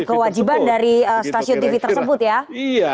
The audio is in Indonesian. kewajiban dari stasiun tv tersebut ya